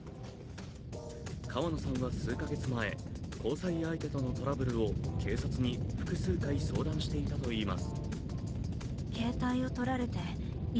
川野さんは数か月前、交際相手とのトラブルを警察に複数回相談していたといいます。